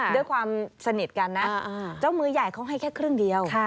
ด้วยความสนิทกันนะเจ้ามือใหญ่เขาให้แค่ครึ่งเดียว